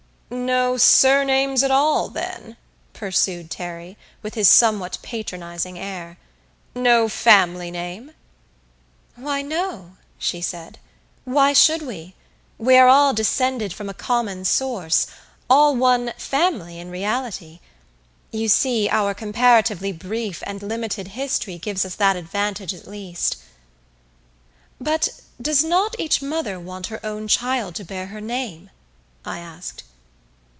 "No surnames at all then?" pursued Terry, with his somewhat patronizing air. "No family name?" "Why no," she said. "Why should we? We are all descended from a common source all one 'family' in reality. You see, our comparatively brief and limited history gives us that advantage at least." "But does not each mother want her own child to bear her name?" I asked.